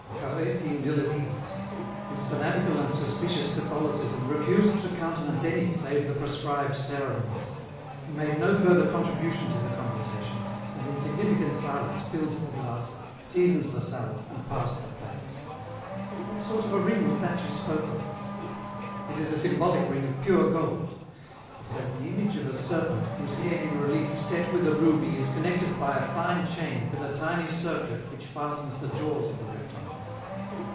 Carhaix seemed ill at ease. His fanatical and suspicious Catholicism refused to countenance any save the prescribed ceremonies. He made no further contribution to the conversation, and in significant silence filled the glasses, seasoned the salad, and passed the plates. "What sort of a ring was that you spoke of?" "It is a symbolic ring of pure gold. It has the image of a serpent, whose head, in relief, set with a ruby, is connected by a fine chain with a tiny circlet which fastens the jaws of the reptile."